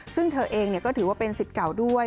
ซึ่งเธอเองก็ถือว่าเป็นสิทธิ์เก่าด้วย